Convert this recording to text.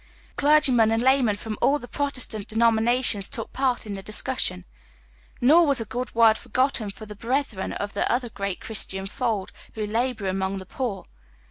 Clergymen and laymen from all the Protestant denominations took part in the discussion ; nor was a good word forgotten for the brethren of the other great Christian fold who labor among tlie poor.